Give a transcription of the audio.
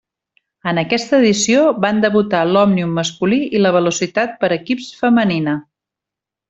En aquesta edició van debutar l'Òmnium masculí i la Velocitat per equips femenina.